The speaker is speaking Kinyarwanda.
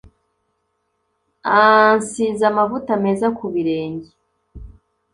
ansize amavuta meza ku birenge